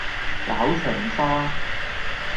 絞腸痧